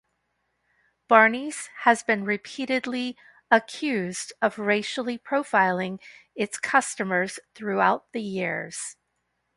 Barneys has been repeatedly accused of racially profiling its customers throughout the years.